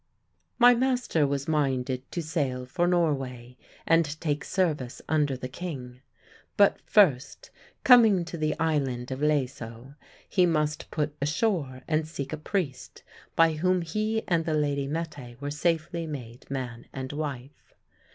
My master was minded to sail for Norway and take service under the king. But first, coming to the island of Laeso, he must put ashore and seek a priest, by whom he and the lady Mette were safely made man and wife.